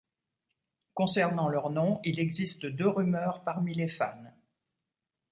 Concernant leur nom, il existe deux rumeurs parmi les fans.